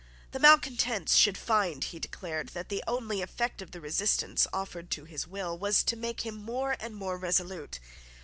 The malecontents should find, he declared, that the only effect of the resistance offered to his will was to make him more and more resolute.